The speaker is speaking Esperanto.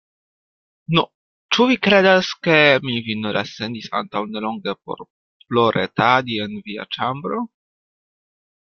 Nu, ĉu vi kredas, ke mi vin resendis antaŭ nelonge por ploretadi en via ĉambro?